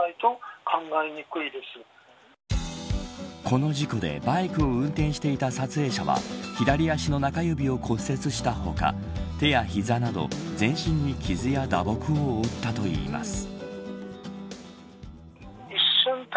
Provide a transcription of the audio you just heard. この事故でバイクを運転していた撮影者は左足の中指を骨折した他手や膝など全身に傷や打撲を負ったといいます。